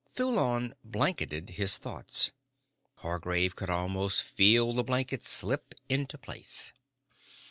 Thulon blanketed his thoughts. Hargraves could almost feel the blanket slip into place.